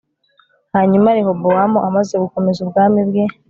hanyuma rehobowamu amaze gukomeza ubwami bwe